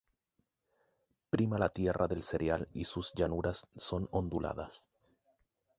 Prima la tierra del cereal y sus llanuras son onduladas.